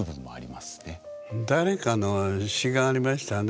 誰かの詩がありましたね。